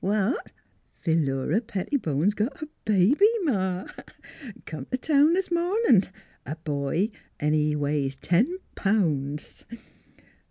" "Huh?" " Philura Pettibone's got a baby, Ma ! Come t' town this mornin'. A boy, an' he weighs ten pounds!